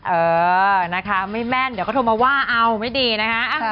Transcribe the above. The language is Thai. เออนะคะไม่แม่นเดี๋ยวก็โทรมาว่าเอาไม่ดีนะคะ